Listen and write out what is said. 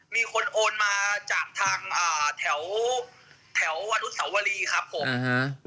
มีคนโอนมาจากทางแถววรุษสาวรีครับผม